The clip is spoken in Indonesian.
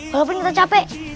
walaupun kita capek